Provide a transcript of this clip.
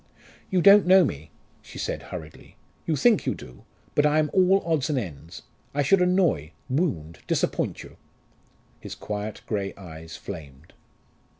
"You don't know me," she said hurriedly: "you think you do. But I am all odds and ends. I should annoy wound disappoint you." His quiet grey eyes flamed.